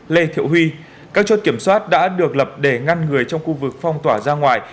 lê thiệu huy các chốt kiểm soát đã được lập để ngăn người trong khu vực phong tỏa ra ngoài